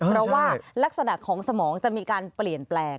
เพราะว่าลักษณะของสมองจะมีการเปลี่ยนแปลง